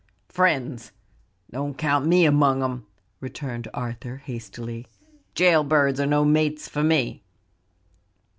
"Friends! don't count me among them!" returned Arthur, hastily; "jail birds are no mates for me."